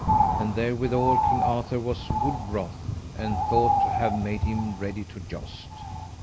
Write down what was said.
And therewithal King Arthur was wood wroth, and thought to have made him ready to joust.